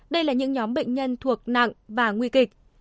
đây là những nhóm bệnh nhân thuộc nặng và nguy kịch